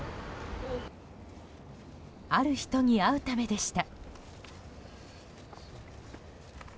ある人に会うためでした。